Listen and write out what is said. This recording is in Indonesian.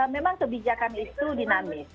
memang kebijakan itu dinamis